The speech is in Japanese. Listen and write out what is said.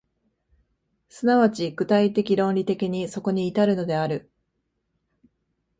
即ち具体的論理的にそこに至るのである。